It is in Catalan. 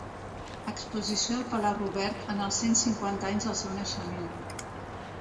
Exposició al Palau Robert, en els cent cinquanta anys del seu naixement.